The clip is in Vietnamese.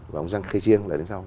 và ông giang khê chiêng là đến sau